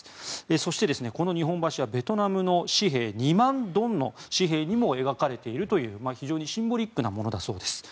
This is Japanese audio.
そして、この日本橋はベトナムの紙幣２万ドンの紙幣にも描かれているという非常にシンボリックなものだそうです。